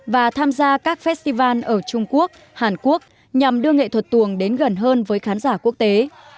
và tham gia các festival ở trung quốc hàn quốc nhằm đưa nghệ thuật tuồng đến gần hơn với khán giả quốc tế